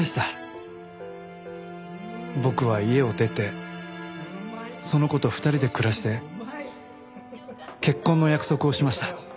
僕は家を出てその子と２人で暮らして結婚の約束をしました。